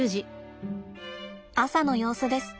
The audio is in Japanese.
朝の様子です。